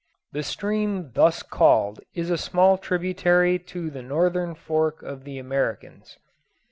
The stream thus called is a small tributary to the northern fork of the Americans'.